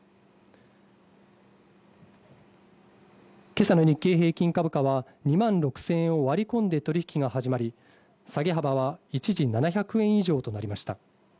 今朝の日経平均株価は２万６０００円を割り込んで取引が始まり、下げ幅は一時７００円以上となりました。